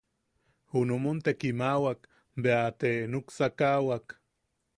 Junum te kimaʼawak bea, te nuksakaʼawak.